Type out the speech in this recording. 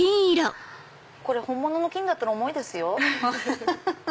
これ本物の金だったら重いですよ。